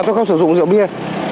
dạ tôi không sử dụng rượu bia